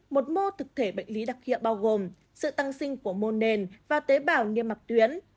một mô thực thể bệnh lý đặc hiệu bao gồm sự tăng sinh của môn nền và tế bào nghiêm mặc tuyến